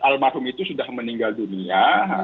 almarhum itu sudah meninggal dunia